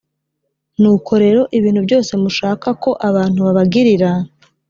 nuko rero ibintu byose mushaka ko abantu babagirira